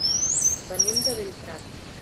Venim de Bellprat.